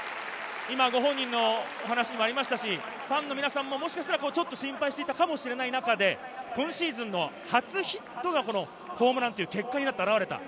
ファンの皆さんももしかしたらちょっと心配していたかもしれない中で、今シーズンの初ヒットがホームランという結果になって表れた。